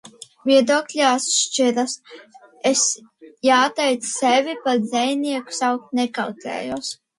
Viedokļi atšķiras. Es, jāteic, sevi par dzejnieku saukt nekautrējos.